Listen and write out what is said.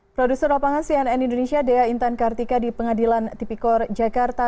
produser lapangan cnn indonesia dea intan kartika di pengadilan tipikor jakarta